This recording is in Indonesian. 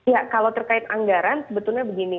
ya kalau terkait anggaran sebetulnya begini